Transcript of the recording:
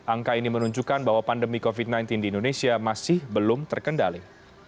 angka ini menunjukkan bahwa pandemi covid sembilan belas di indonesia masih belum terkendali